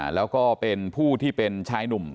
แล้วก็เป็นผู้ที่เป็นชายหนุ่ม